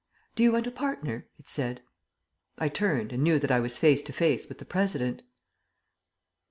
"Do you want a partner?" it said. I turned, and knew that I was face to face with the President.